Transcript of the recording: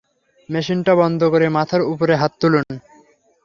মেশিনটা বন্ধ করে মাথার উপরে হাত তুলুন।